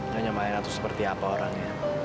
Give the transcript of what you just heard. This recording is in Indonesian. nyonya maena tuh seperti apa orangnya